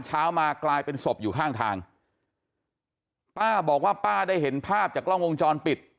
เช้ามากลายเป็นศพอยู่ข้างทางป้าบอกว่าป้าได้เห็นภาพจากกล้องวงจรปิด